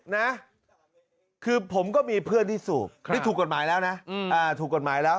นะคือผมก็มีเพื่อนที่สูบนี่ถูกกฎหมายแล้วนะถูกกฎหมายแล้ว